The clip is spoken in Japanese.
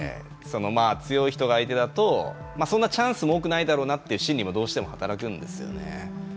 強い人が相手だとそんなチャンスも多くないだろうなという心理もどうしても働くんですよね。